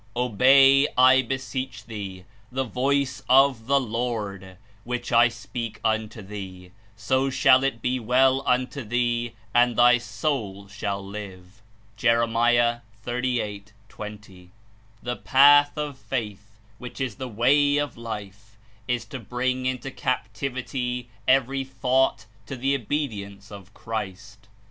"Obey, I beseech thee, the voice of the Lord, which I speak unto thee; so shall it be well unto thee, and thy soul shall live/' (Jer. 38. 20.) The path of Faith, which Is the way of Life, Is to bring Into captivity every thought to the obedience of Christ.